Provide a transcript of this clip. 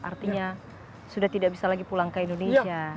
artinya sudah tidak bisa lagi pulang ke indonesia